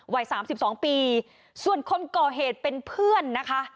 วัย๓๒ปีส่วนคนก่อเหตุเป็นเพื่อนนะคะ